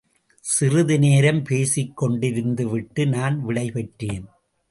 சிறிது நேரம் பேசிக் கொண்டிருந்து விட்டு நான் விடைபெற்றேன்.